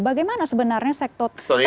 bagaimana sebenarnya sektor